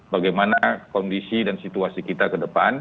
bagaimana kondisi dan situasi kita ke depan